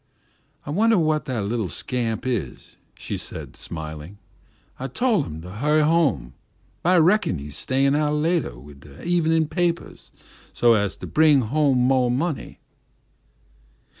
"I wunner whah that little scamp is," she said, smiling; "I tol' him to hu'y home, but I reckon he's stayin' out latah wid de evenin' papahs so's to bring home mo' money."